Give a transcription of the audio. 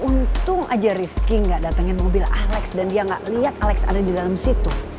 untung aja rizky nggak datengin mobil alex dan dia gak lihat alex ada di dalam situ